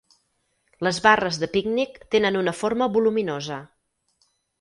Les barres de pícnic tenen una forma voluminosa.